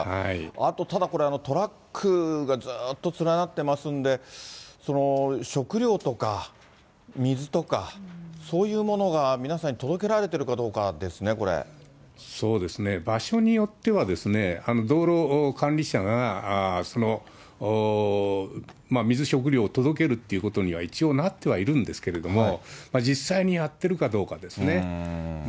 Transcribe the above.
あと、ただこれ、トラックがずーっと連なってますんで、食料とか、水とか、そういうものが皆さんに届けられてるかどうかですね、そうですね、場所によっては、道路管理者が水、食料を届けるっていうことには一応なってはいるんですけれども、実際にやってるかどうかですね。